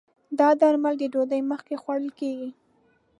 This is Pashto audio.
دا درمل د ډوډی مخکې خوړل کېږي